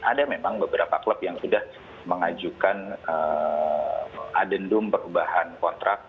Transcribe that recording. ada memang beberapa klub yang sudah mengajukan adendum perubahan kontrak